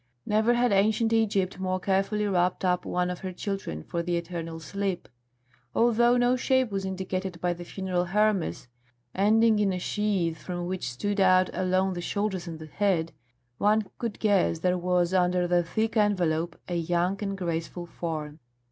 Never had ancient Egypt more carefully wrapped up one of her children for the eternal sleep. Although no shape was indicated by the funeral Hermes, ending in a sheath from which stood out alone the shoulders and the head, one could guess there was under that thick envelope a young and graceful form.